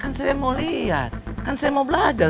kan saya mau lihat kan saya mau belajar